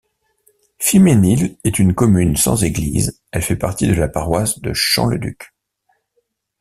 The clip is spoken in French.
Fiménil est une commune sans église, elle fait partie de la paroisse de Champ-le-Duc.